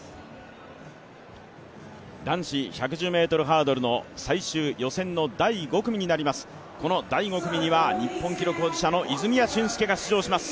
男子１１０ｍハードルの最終予選の第５組になります、この第５組には日本記録保持者の泉谷駿介が出場します。